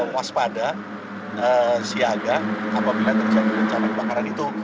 waspada siaga apabila terjadi bencana kebakaran itu